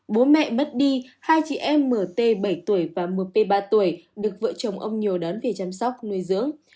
bố mẹ mất đi hai chị em mt bảy tuổi và m p ba tuổi được vợ chồng ông nhiều đón về chăm sóc nuôi dưỡng